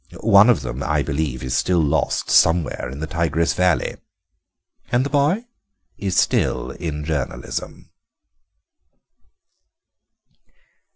One of them, I believe, is still lost somewhere in the Tigris Valley." "And the boy?" "Is still in journalism."